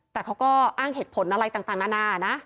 แต่เขาก็อ้างเหตุผลอะไรต่างนานานะ